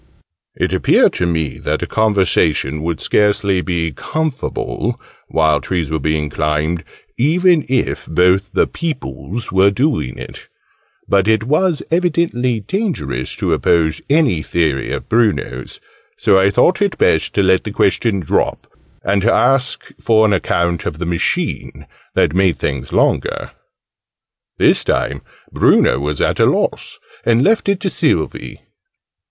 It appeared to me that a conversation would scarcely be 'comfable' while trees were being climbed, even if both the 'peoples' were doing it: but it was evidently dangerous to oppose any theory of Bruno's; so I thought it best to let the question drop, and to ask for an account of the machine that made things longer. This time Bruno was at a loss, and left it to Sylvie.